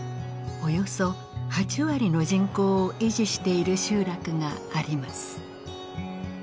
およそ８割の人口を維持している集落があります。